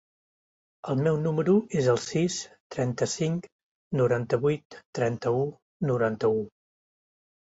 El meu número es el sis, trenta-cinc, noranta-vuit, trenta-u, noranta-u.